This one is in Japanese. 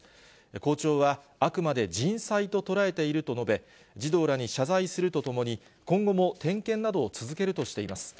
校長は、あくまで人災と捉えていると述べ、児童らに謝罪するとともに、今後も点検などを続けるとしています。